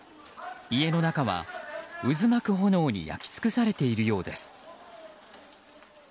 家の中は、渦巻く炎に焼き尽くされているようです。